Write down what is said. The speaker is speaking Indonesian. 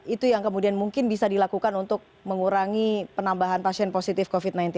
itu yang kemudian mungkin bisa dilakukan untuk mengurangi penambahan pasien positif covid sembilan belas